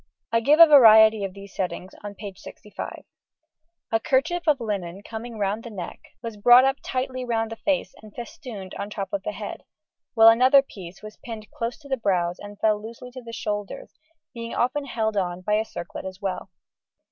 I give a variety of these settings on page 65. A kerchief of linen coming round the neck was brought up tightly round the face and festooned on the top of the head, while another piece was pinned close to the brows and fell loosely to the shoulders, being often held on by a circlet as well.